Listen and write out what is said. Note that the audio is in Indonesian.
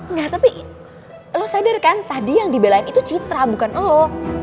enggak tapi lo sadar kan tadi yang dibelain itu citra bukan lo